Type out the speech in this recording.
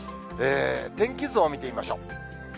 天気図を見てみましょう。